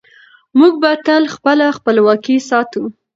موږ به تل خپله خپلواکي ساتو.